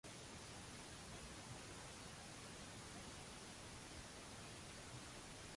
Issa saret iktar faċli biex tibgħat l-artiklu li tkun qiegħed taqra.